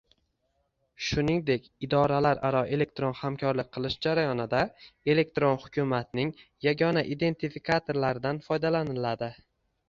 shuningdek idoralararo elektron hamkorlik qilish jarayonida elektron hukumatning yagona identifikatorlaridan foydalaniladi.